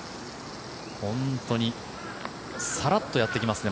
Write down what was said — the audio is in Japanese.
本当にサラッとやってきますね。